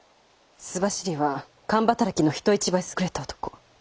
州走りは勘働きの人一倍優れた男。